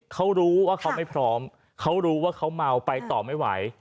เขารู้ว่าเขาไม่พร้อมเขารู้ว่าเขาเมาไปต่อไม่ไหว